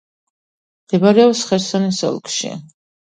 მდებარეობს ხერსონის ოლქში.